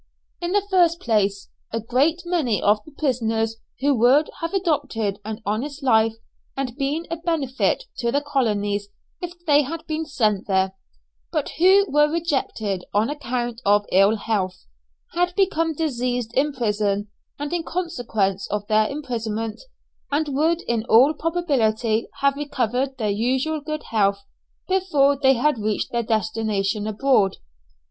In the first place, a great many of the prisoners who would have adopted an honest life and been a benefit to the colonies if they had been sent there, but who were rejected on account of ill health, had become diseased in prison and in consequence of their imprisonment, and would in all probability have recovered their usual good health before they had reached their destination abroad.